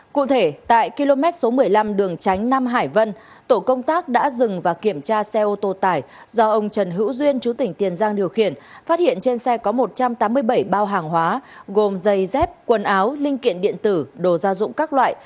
cụ thể tại km số một mươi năm đường tránh nam hải vân tổ công tác đã dừng và kiểm tra xe ô tô tải do ông trần hữu duyên chú tỉnh tiền giang điều khiển phát hiện trên xe có một trăm tám mươi bảy bao hàng hóa gồm giày dép quần áo linh kiện điện tử đồ gia dụng các loại